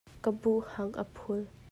Ka buh hang a phul.